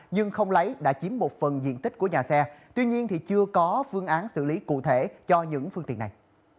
nhưng không lấy đã chiếm một phần diện tích của nhà xe tuy nhiên chưa có phương án xử lý cụ thể cho những phương tiện này